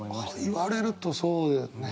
言われるとそうだよね。